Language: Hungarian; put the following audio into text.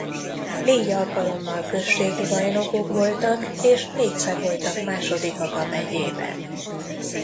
Négy alkalommal községi bajnokok voltak és négyszer voltak másodikak a megyében.